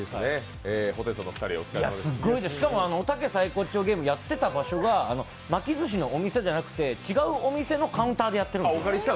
すごいです、しかもおたけサイコッチョーゲームやってた場所が巻き寿司のお店じゃなくて違うお店のカウンターでやっているんですよ。